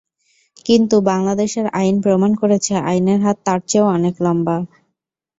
কিন্তু বাংলাদেশের আইন প্রমাণ করেছে, আইনের হাত তাঁর চেয়েও অনেক লম্বা।